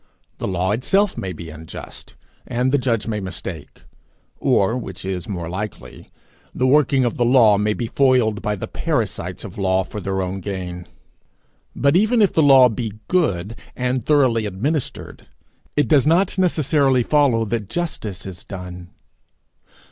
The law itself may be unjust, and the judge may mistake; or, which is more likely, the working of the law may be foiled by the parasites of law for their own gain. But even if the law be good, and thoroughly administered, it does not necessarily follow that justice is done.